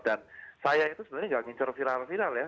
dan saya itu sebenarnya tidak mengincar viral viral ya